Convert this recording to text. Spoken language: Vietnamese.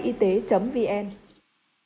hãy đăng ký kênh để nhận thông tin nhất